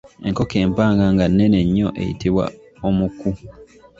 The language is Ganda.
Enkoko empanga nga nnene nnyo eyitibwa Omukku.